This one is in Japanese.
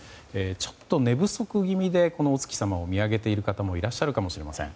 ちょっと寝不足気味でお月様を見上げている方もいらっしゃるかもしれません。